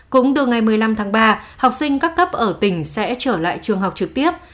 cũng từ ngày một mươi năm tháng ba học sinh các cấp ở tỉnh sẽ trở lại trường học trực tiếp